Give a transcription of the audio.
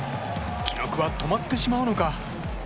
記録は止まってしまうのか？